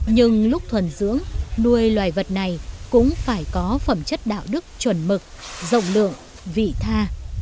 nhưng lúc thuần dưỡng nuôi loài vật này cũng phải có phẩm chất đạo đức chuẩn mực rộng lượng vị tha